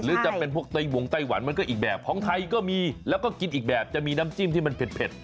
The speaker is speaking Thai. หรือจะเป็นพวกไต้วงไต้หวันมันก็อีกแบบของไทยก็มีแล้วก็กินอีกแบบจะมีน้ำจิ้มที่มันเผ็ด